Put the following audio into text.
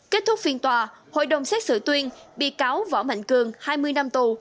kết thúc phiên tòa hội đồng xét xử tuyên bị cáo võ mạnh cường hai mươi năm tù